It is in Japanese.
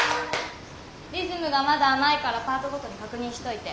リズムがまだ甘いからパートごとに確認しといて。